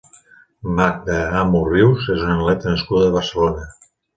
Magda Amo Rius és una atleta nascuda a Barcelona.